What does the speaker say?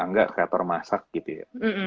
angga creator masak gitu ya